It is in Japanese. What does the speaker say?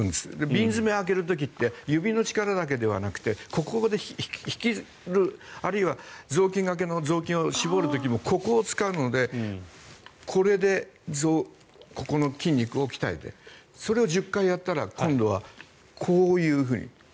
瓶詰めを開ける時って指の力だけではなくてここで引くあるいは雑巾がけの雑巾を絞る時もここを使うのでこれでここの筋肉を鍛えてそれを１０回やったら今度はこういうふうに。